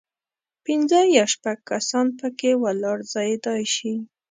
پنځه یا شپږ کسان په کې ولاړ ځایېدای شي.